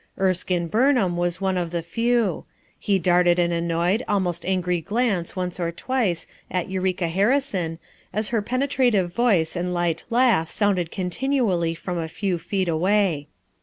Erskine Burnham was one of the few; he darted an annoyed, al most angry glance once or twice at Eureka Harrison as her penetrative voice and light laugh sounded continually from a few feet away.